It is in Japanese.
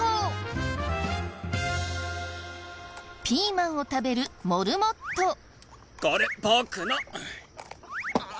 ピーマンを食べるモルモット。